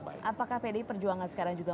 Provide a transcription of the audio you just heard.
baik apakah pd perjuangan sekarang juga